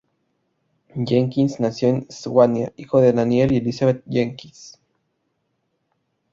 Jenkins nació en Swansea, hijo de Daniel y Elizabeth Jenkins.